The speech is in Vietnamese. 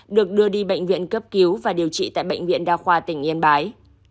được đưa đi bệnh viện cấp cứu và điều trị tại bệnh viện đa khoa tỉnh yên bái